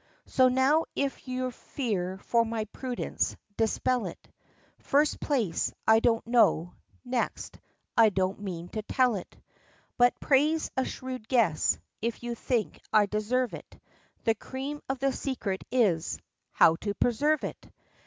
So now if you've fear for my prudence, dispel it; First place, I don't know next, I don't mean to tell it But praise a shrewd guess, if you think I deserve it, The cream of the secret is how to preserve it!